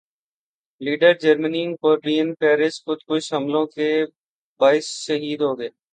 leader Jeremy Corbyn Paris خودکش حملوں کے